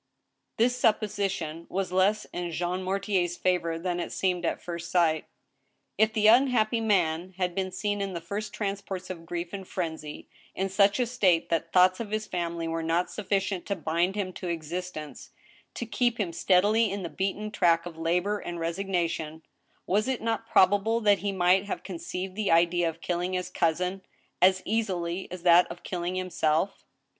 This supposition was less in Jean Mortier's favor than it seemed at first sight. If the unhappy man had been seen in the first transports of grief and frenzy in such a state that thoughts of his family were not suffi cient to bind him to existence, to keep him steadily in the beaten track of labor and resignation, was it not probable that he might have conceived the idea of killing his cousin as easily as that of kill ing himself